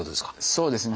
そうですね。